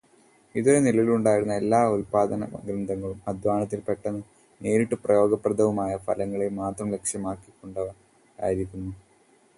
ഇതുവരെ നിലവിലുണ്ടായിരുന്ന എല്ലാ ഉല്പാദനവ്യവസ്ഥകളും അധ്വാനത്തിന്റെ പെട്ടെന്നും നേരിട്ടുപയോഗപ്രദവുമായ ഫലങ്ങളെ മാത്രം ലക്ഷ്യമാക്കിക്കൊണ്ടുള്ളവയായിരുന്നു.